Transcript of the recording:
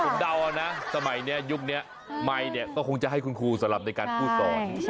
ผมเดานะสมัยนี้ยุคนี้ไมค์เนี่ยก็คงจะให้คุณครูสำหรับในการพูดสอน